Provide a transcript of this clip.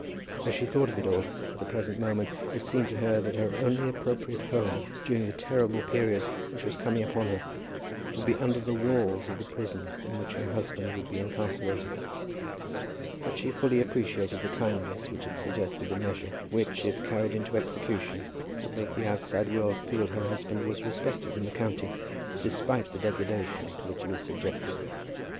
As she thought of it all at the present moment, it seemed to her that her only appropriate home during the terrible period which was coming upon her, would be under the walls of the prison in which her husband would be incarcerated. But she fully appreciated the kindness which had suggested a measure, which, if carried into execution, would make the outside world feel that her husband was respected in the county, despite the degradation to which he was subjected.